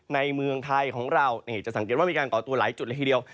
ในเมืองไทยของเราจะสังเกตว่ามีการก่อตัวหลายจุดเลยทีเดียว